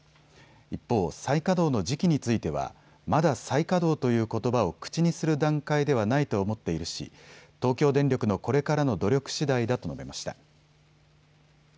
一方、再稼働の時期についてはまだ再稼働ということばを口にする段階ではないと思っているし東京電力のこれからの努力しだいだと述べました。